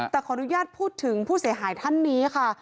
แต่ขออนุญาตพูดถึงผู้เสียหายท่านนี้ค่ะ